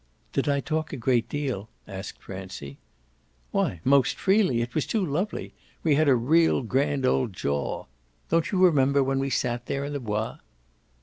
"Did I talk a great deal?" asked Francie. "Why most freely it was too lovely. We had a real grand old jaw. Don't you remember when we sat there in the Bois?"